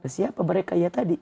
siapa mereka ya tadi